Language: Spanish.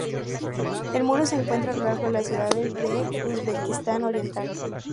El muro se encuentra a lo largo de las ciudades de Uzbekistán oriental.